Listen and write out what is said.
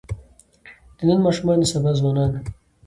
د نن ماشومان د سبا ځوانان دي.